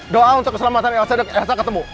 doa untuk keselamatan elsa ketemu